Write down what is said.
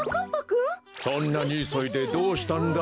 そんなにいそいでどうしたんだい？